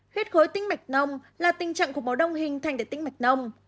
huyết khối tinh mạch nông là tình trạng cục máu đông hình thành tại tinh mạch nông